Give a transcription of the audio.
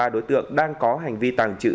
ba đối tượng đang có hành vi tăng chữ